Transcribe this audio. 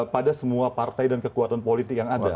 pada semua partai dan kekuatan politik yang ada